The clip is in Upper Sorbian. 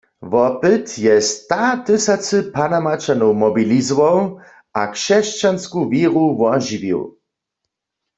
Wopyt je statysacy Panamačanow mobilizował a křesćansku wěru wožiwił.